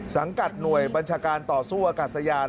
สังกัดหน่วยบัญชาการต่อสู้อากาศยาน